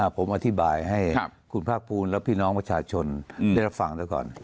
ผมอธิบายให้คุณภาคภูมิและพี่น้องประชาชนได้รับฟังแล้วก่อน